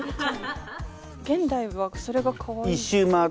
現代はそれがかわいいのかな？